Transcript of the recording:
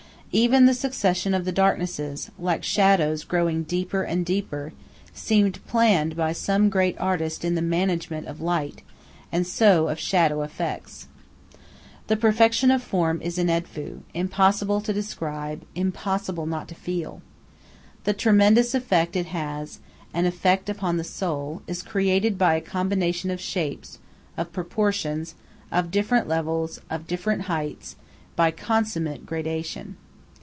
Even the succession of the darknesses, like shadows growing deeper and deeper, seemed planned by some great artist in the management of light, and so of shadow effects. The perfection of form is in Edfu, impossible to describe, impossible not to feel. The tremendous effect it has an effect upon the soul is created by a combination of shapes, of proportions, of different levels, of different heights, by consummate graduation.